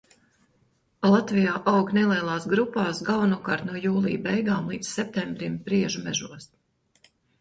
Latvijā aug nelielās grupās galvenokārt no jūlija beigām līdz septembrim priežu mežos.